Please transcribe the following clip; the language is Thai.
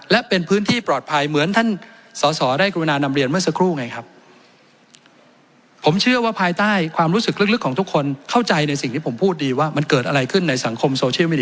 และเป็นพื้นที่ปลอดภัยเหมือนท่านสอสอได้กรุณานำเรียนเมื่อสักครู่ไงครับ